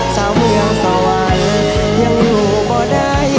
เซ้าเมืองสวรรค์ยังอยู่บ่ได